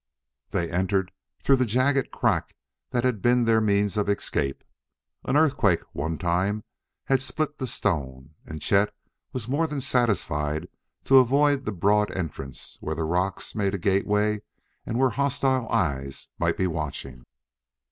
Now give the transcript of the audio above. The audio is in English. They entered through the jagged crack that had been their means of escape. An earthquake, one time, had split the stone, and Chet was more than satisfied to avoid the broad entrance where the rocks made a gateway and where hostile eyes might be watching.